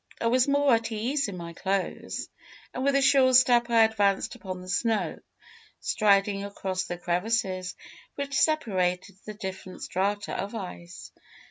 I was more at ease in my clothes, and with a sure step I advanced upon the snow, striding across the crevasses which separated the different strata of ice.